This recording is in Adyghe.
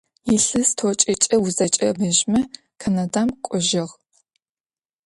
Илъэс тIокIкIэ узэкIэIэбэжьмэ Канадэм кIожьыгъ.